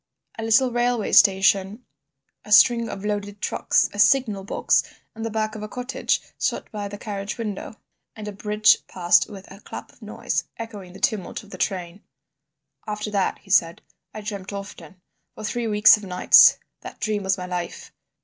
A little railway station, a string of loaded trucks, a signal box, and the back of a cottage, shot by the carriage window, and a bridge passed with a clap of noise, echoing the tumult of the train. "After that," he said, "I dreamt often. For three weeks of nights that dream was my life.